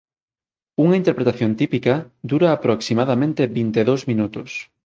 Unha interpretación típica dura aproximadamente vinte e dous minutos.